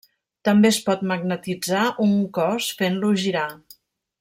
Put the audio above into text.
També es pot magnetitzar un cos fent-lo girar.